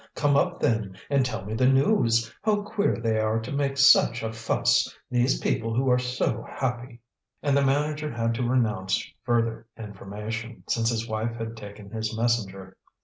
Come up, then, and tell me the news. How queer they are to make such a fuss, these people who are so happy!" And the manager had to renounce further information, since his wife had taken his messenger.